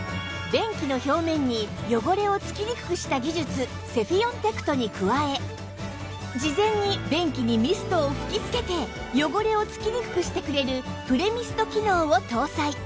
便器の表面に汚れを付きにくくした技術セフィオンテクトに加え事前に便器にミストを吹き付けて汚れを付きにくくしてくれるプレミスト機能を搭載